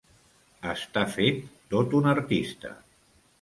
Estar fet tot un artista.